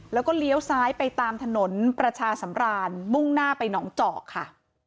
แล้วก็เลี้ยวซ้ายไปตามถนนประชาสำรานมุ่งหน้าไปหนองเจาะค่ะ